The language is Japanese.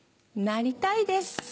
なりたいです。